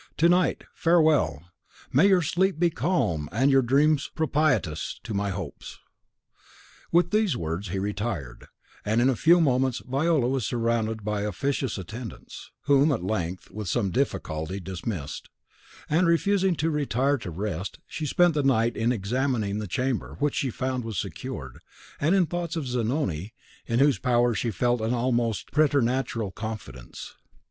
To night, farewell! May your sleep be calm, and your dreams propitious to my hopes." With these words he retired, and in a few moments Viola was surrounded by officious attendants, whom she at length, with some difficulty, dismissed; and, refusing to retire to rest, she spent the night in examining the chamber, which she found was secured, and in thoughts of Zanoni, in whose power she felt an almost preternatural confidence.